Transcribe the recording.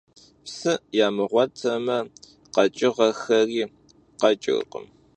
Psı yamığuetme, kheç'ığexeri kheç'ırkhım.